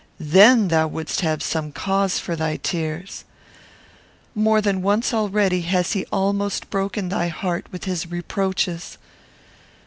Then thou wouldst have some cause for thy tears. More than once already has he almost broken thy heart with his reproaches.